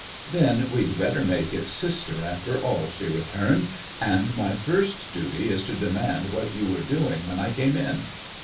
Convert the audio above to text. "Then we'd better make it sister after all," she returned, "and my first duty is to demand what you were doing when I came in."